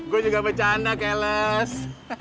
gue juga bercanda keles